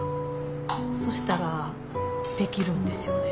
そしたらできるんですよね。